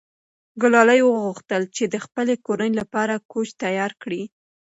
ګلالۍ غوښتل چې د خپلې کورنۍ لپاره کوچ تیار کړي.